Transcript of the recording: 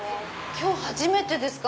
今日初めてですか？